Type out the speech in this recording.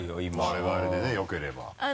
我々でねよければ。